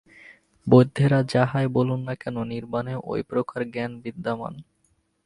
বৌদ্ধেরা যাহাই বলুন না কেন, নির্বাণেও ঐ-প্রকার জ্ঞান বিদ্যমান।